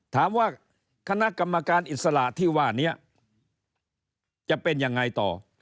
ถามว่าคณะกรรมการอิสระที่ว่านี้จะเป็นยังไงต่อ